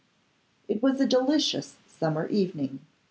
It was a delicious summer evening.